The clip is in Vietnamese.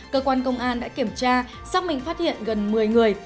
cơ quan công an đã kiểm tra xác minh phát hiện gần một mươi người